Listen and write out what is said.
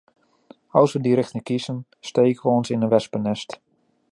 Als we die richting kiezen, steken we ons in een wespennest.